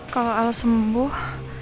kalau al sembuh